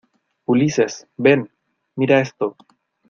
Ulises, ven. mira esto .